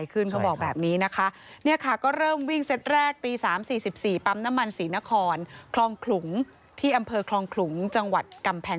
ก็๔เซตด้วยกันคุณผู้ชมคะ